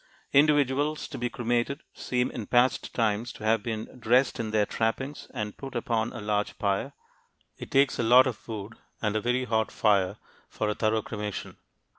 Individuals to be cremated seem in past times to have been dressed in their trappings and put upon a large pyre: it takes a lot of wood and a very hot fire for a thorough cremation.